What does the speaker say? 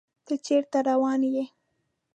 ته چیرته روان یې؟